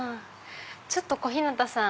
ちょっと小日向さん。